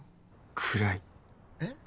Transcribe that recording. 暗いえっ？